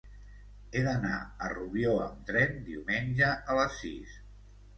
He d'anar a Rubió amb tren diumenge a les sis.